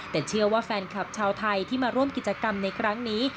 แต่เชื่อว่าแฟนคลับชาวไทยที่มาร่วมกิจกรรมในครั้งนี้